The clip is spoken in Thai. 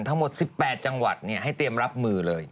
ทั้งหมด๑๘จังหวัดให้เตรียมรับมือเลย